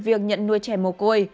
việc nhận nuôi trẻ mồ côi